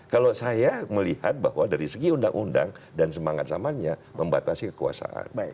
kalau saya melihat bahwa dari segi undang undang dan semangat samanya membatasi kekuasaan